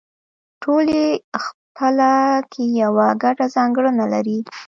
ټول یې خپله کې یوه ګډه ځانګړنه لري